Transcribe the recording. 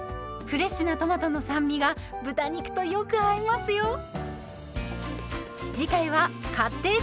フレッシュなトマトの酸味が豚肉とよく合いますよ。